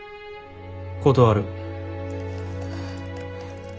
断る。